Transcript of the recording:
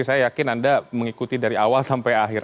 saya yakin anda mengikuti dari awal sampai akhir